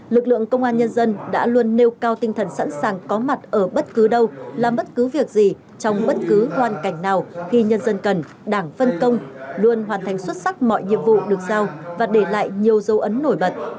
lực lượng công an nhân dân đã luôn nêu cao tinh thần sẵn sàng có mặt ở bất cứ đâu làm bất cứ việc gì trong bất cứ hoàn cảnh nào khi nhân dân cần đảng phân công luôn hoàn thành xuất sắc mọi nhiệm vụ được giao và để lại nhiều dấu ấn nổi bật